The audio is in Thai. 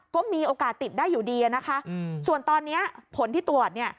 ก็มีโอกาสติดได้อยู่ดีนะคะส่วนตอนนี้ผลที่ตรวจเนี่ย